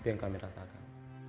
itu yang kami rasakan